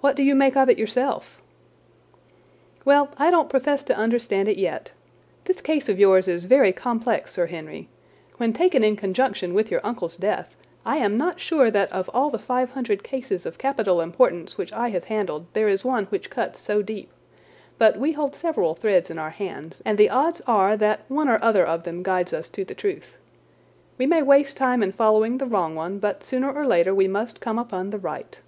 "What do you make of it yourself?" "Well, I don't profess to understand it yet. This case of yours is very complex, Sir Henry. When taken in conjunction with your uncle's death I am not sure that of all the five hundred cases of capital importance which I have handled there is one which cuts so deep. But we hold several threads in our hands, and the odds are that one or other of them guides us to the truth. We may waste time in following the wrong one, but sooner or later we must come upon the right."